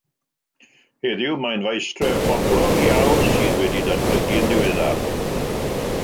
Heddiw, mae'n faestref boblog iawn sydd wedi'i datblygu'n ddiweddar.